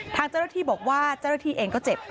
ทางเจ้าหน้าที่บอกว่าเจ้าหน้าที่เองก็เจ็บ